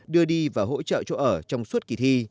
đưa đi và hỗ trợ chỗ ở trong suốt kỳ thi